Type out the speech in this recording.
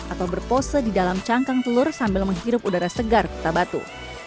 atau berpose di dalam cangkang telur sambil menghirup udara segar kota batu